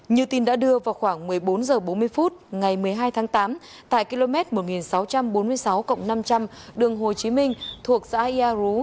như tin đã đưa vào khoảng một mươi bốn h bốn mươi phút ngày một mươi hai tháng tám tại km một nghìn sáu trăm bốn mươi sáu năm trăm linh đường hồ chí minh thuộc xã yà rú